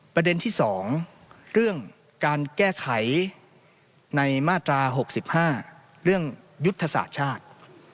ประเด็นที่๒เรื่องการแก้ไขในมาตรา๖๕เรื่องยุทธศาสตร์ชาติ